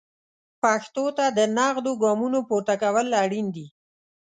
پښتو ته د نغدو ګامونو پورته کول اړین دي.